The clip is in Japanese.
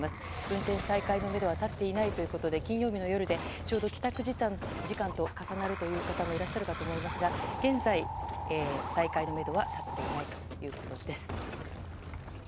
運転再開のめどは立っていないということで金曜日の夜でちょうど帰宅時間と重なるという方もいらっしゃると思いますが現在、再開のめどは立っていないということです。